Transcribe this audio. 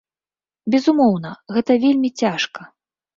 Безумоўна, гэта вельмі цяжка.